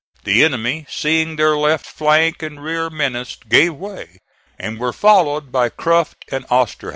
The enemy, seeing their left flank and rear menaced, gave way, and were followed by Cruft and Osterhaus.